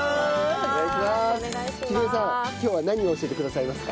今日は何を教えてくださいますか？